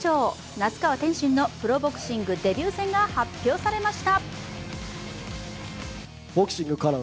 那須川天心のプロボクシングデビュー戦が発表されました。